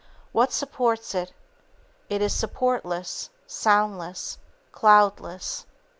What supports it? It is supportless, soundless, cloudless.